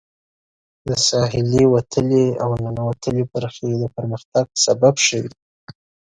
د ساحلي وتلې او ننوتلې برخې د پرمختګ سبب شوي.